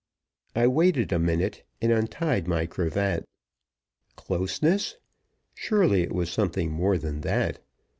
I waited a minute and untied my cravat. Closeness? surely it was something more than that.